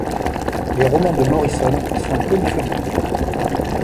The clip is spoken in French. Les romans de Morrison sont polyphoniques.